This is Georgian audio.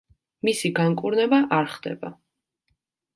მისი განკურნება არ ხდება.